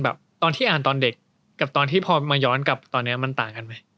ตอนที่อ่านตอนเด็กกับตอนที่พอมาย้อนกลับตอนนี้มันต่างกันไหม